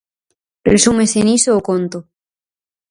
Resúmese niso o conto.